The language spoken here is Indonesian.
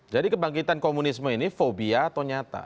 jadi kebangkitan komunisme ini fobia atau nyata